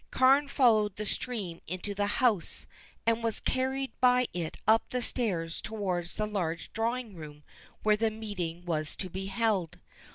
Carne followed the stream into the house, and was carried by it up the stairs towards the large drawing room where the meeting was to be held.